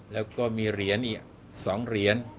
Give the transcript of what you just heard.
แล้วก็มีเหรียญอีก๒เหรียญ